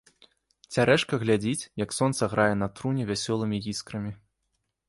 Цярэшка глядзіць, як сонца грае на труне вясёлымі іскрамі.